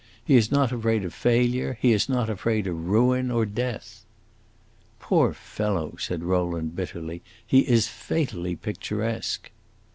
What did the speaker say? He is not afraid of failure; he is not afraid of ruin or death." "Poor fellow!" said Rowland, bitterly; "he is fatally picturesque."